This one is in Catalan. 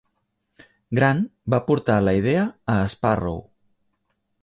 Grant va portar la idea a Sparrow.